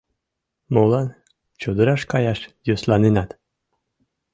Молан чодыраш каяш йӧсланенат?